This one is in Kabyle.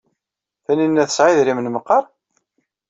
Taninna tesɛa idrimen meqqar?